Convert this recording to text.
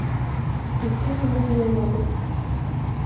Lycka till med nya jobbet.